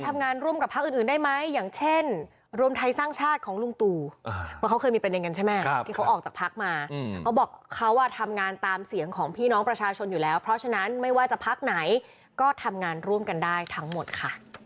สภาพต้องจบในสภาพอย่างจริงชิ้นปล่อยไม่ได้หรือหาสภาพ